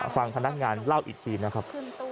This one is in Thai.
ฟังพนักงานเล่าอีกทีนะครับ